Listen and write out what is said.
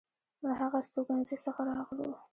له هغه استوګنځي څخه راغلو.